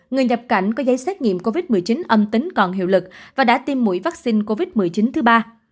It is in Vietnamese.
người nhập cảnh có giấy xét nghiệm covid một mươi chín âm tính còn hiệu lực và đã tiêm mũi vaccine covid một mươi chín thứ ba